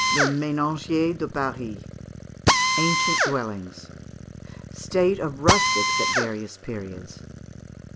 "Le Menagier de Paris." Ancient Dwellings. State of Rustics at various Periods.